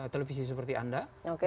televisi seperti anda